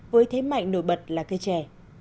với thế mạnh nổi bật là cây trẻ